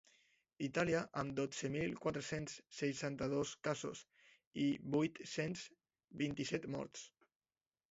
Itàlia, amb dotze mil quatre-cents seixanta-dos casos i vuit-cents vint-i-set morts.